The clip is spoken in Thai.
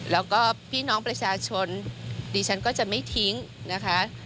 แล้วก็พี่น้องประชาชนดิฉันก็จะไม่ทิ้งนะคะ